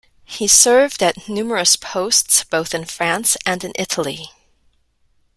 He served at numerous posts both in France and in Italy.